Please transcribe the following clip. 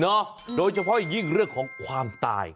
เนอะโดยเฉพาะยิ่งเรื่องของความตาย